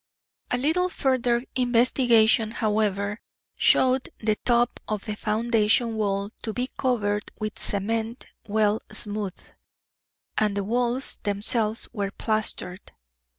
A little further investigation, however, showed the top of the foundation wall to be covered with cement well smoothed, and the walls themselves were plastered.